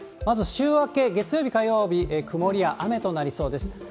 まず週明け月曜日、火曜日、曇りや雨となりそうです。